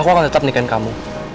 aku akan tetap nikahin kamu